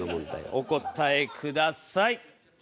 お答えください。